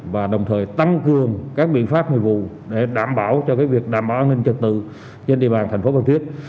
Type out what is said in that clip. và đồng thời tăng cường các biện pháp nghiệp vụ để đảm bảo cho việc đảm bảo an ninh trật tự trên địa bàn thành phố phan thiết